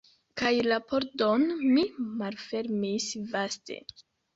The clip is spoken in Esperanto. Kaj la pordon mi malfermis vaste.